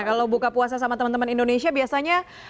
kalau buka puasa sama teman teman indonesia biasanya